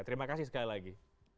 terima kasih sekali lagi